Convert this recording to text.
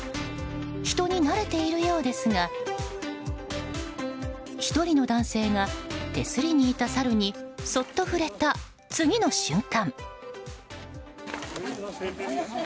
人に慣れているようですが１人の男性が手すりにいたサルにそっと触れた次の瞬間。